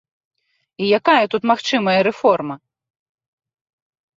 І якая тут магчымая рэформа?